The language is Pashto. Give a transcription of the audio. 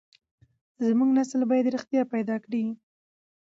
زموږ نسل بايد رښتيا پيدا کړي.